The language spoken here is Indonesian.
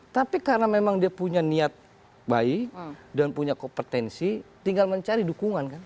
tapi karena memang dia punya niat baik dan punya kompetensi tinggal mencari dukungan kan